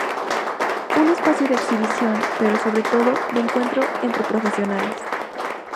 Un espacio de exhibición, pero, sobre todo, de encuentro entre profesionales.